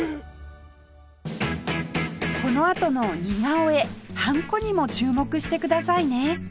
このあとの似顔絵はんこにも注目してくださいね